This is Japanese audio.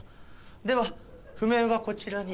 では譜面はこちらに。